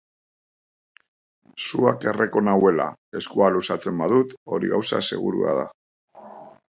Suak erreko nauela, eskua luzatzen badut, hori gauza segurua da.